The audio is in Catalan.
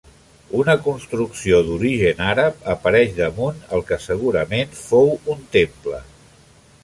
Una construcció d'origen àrab apareix damunt el que segurament fou un temple.